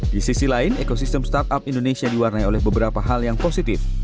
di sisi lain ekosistem startup indonesia diwarnai oleh beberapa hal yang positif